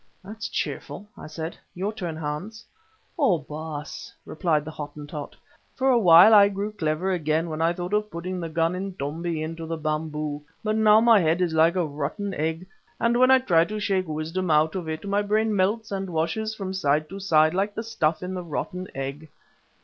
"That's cheerful," I said. "Your turn, Hans." "Oh! Baas," replied the Hottentot, "for a while I grew clever again when I thought of putting the gun Intombi into the bamboo. But now my head is like a rotten egg, and when I try to shake wisdom out of it my brain melts and washes from side to side like the stuff in the rotten egg.